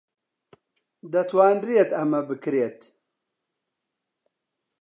دەتوانرێت ئەمە بکرێت.